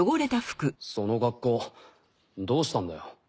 その格好どうしたんだよ？